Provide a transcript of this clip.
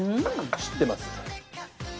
知ってます。